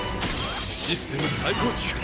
システム再構築